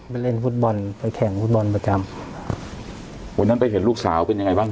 ไปเล่นฟุตบอลไปแข่งฟุตบอลประจำวันนั้นไปเห็นลูกสาวเป็นยังไงบ้าง